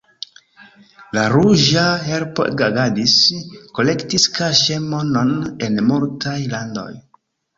La Ruĝa Helpo agadis, kolektis kaŝe monon en multaj landoj.